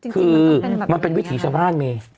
คือมันเป็นวิถีชาวบ้านเม